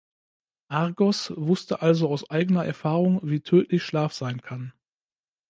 Argos wusste also aus eigener Erfahrung, wie tödlich Schlaf sein kann.